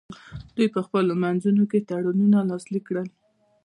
دوی په خپلو منځونو کې تړونونه لاسلیک کړل